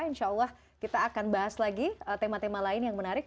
insya allah kita akan bahas lagi tema tema lain yang menarik